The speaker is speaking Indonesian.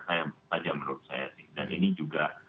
saya saja menurut saya sih dan ini juga